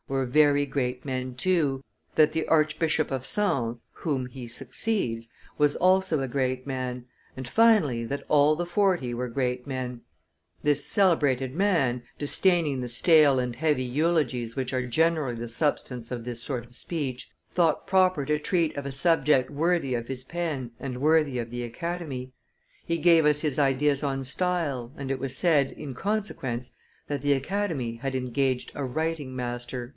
were very great men too, that the Archbishop of Sens (whom he succeeds) was also a great man, and finally that all the forty were great men; this celebrated man, disdaining the stale and heavy eulogies which are generally the substance of this sort of speech, thought proper to treat of a subject worthy of his pen and worthy of the Academy. He gave us his ideas on style, and it was said, in consequence, that the Academy had engaged a writing master."